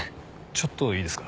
ちょっといいですか？